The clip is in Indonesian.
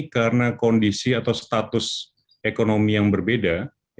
karena kondisi atau status ekonomi yang berbeda